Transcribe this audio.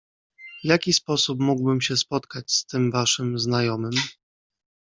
"W jaki sposób mógłbym się spotkać z tym waszym znajomym?"